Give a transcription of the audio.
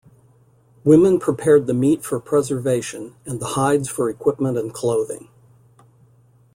Women prepared the meat for preservation and the hides for equipment and clothing.